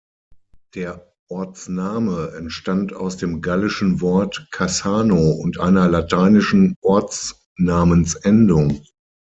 Der Ortsname entstand aus dem gallischen Wort "Cassano" und einer lateinischen Ortsnamensendung.